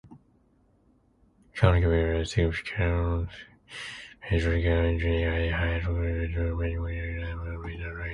Economically are significant mechanical engineering, high technology, tool manufacturing and food industry.